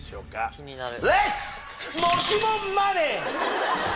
気になる！